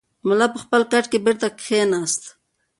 ملا په خپل کټ کې بېرته کښېناست.